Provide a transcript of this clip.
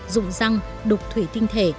rụng răng đục thủy tinh thể